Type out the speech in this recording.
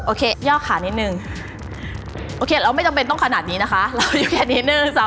โอเคยอกขานิดหนึ่งโอเคเราไม่จำเป็นต้นขนาดนี้นะคะเราอยู่แค่นี้๑๒๓๑๒๓๔๕๖๗